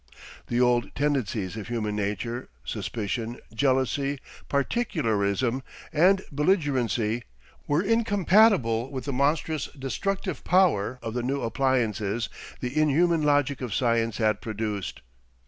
The old tendencies of human nature, suspicion, jealousy, particularism, and belligerency, were incompatible with the monstrous destructive power of the new appliances the inhuman logic of science had produced.